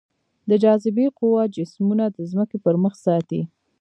د جاذبې قوه جسمونه د ځمکې پر مخ ساتي.